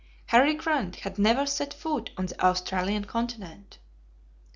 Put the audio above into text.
Harry Grant had never set foot on the Australian continent!